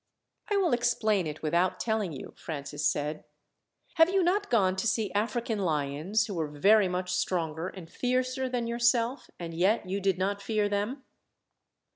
"I will explain it without telling you," Francis said. "Have you not gone to see African lions, who were very much stronger and fiercer than yourself, and yet you did not fear them?"